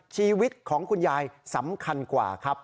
ชีวิตของคุณยายสำคัญกว่าครับ